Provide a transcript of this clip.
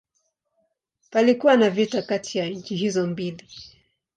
Palikuwa na vita kati ya nchi hizo mbili.